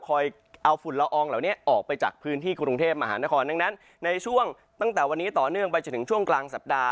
เอาฝุ่นละอองเหล่านี้ออกไปจากพื้นที่กรุงเทพมหานครดังนั้นในช่วงตั้งแต่วันนี้ต่อเนื่องไปจนถึงช่วงกลางสัปดาห